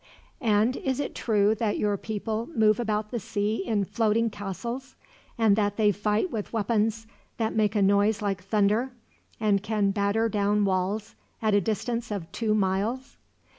"And is it true that your people move about the sea in floating castles, and that they fight with weapons that make a noise like thunder, and can batter down walls at a distance of two miles?"